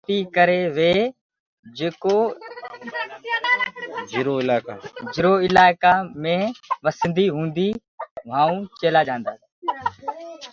گُربتي ڪي ڪري وي جرو اِلاڪآ مي وسنديٚ هونٚديٚ وهانٚ ڪٚوُ چيلآ جآنٚدآ تآ۔